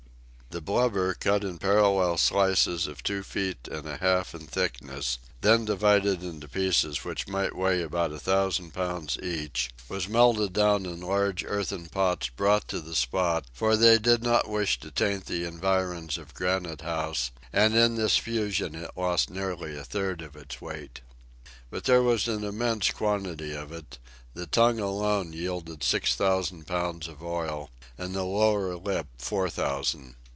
The blubber, cut in parallel slices of two feet and a half in thickness, then divided into pieces which might weigh about a thousand pounds each, was melted down in large earthen pots brought to the spot, for they did not wish to taint the environs of Granite House, and in this fusion it lost nearly a third of its weight. But there was an immense quantity of it; the tongue alone yielded six thousand pounds of oil, and the lower lip four thousand.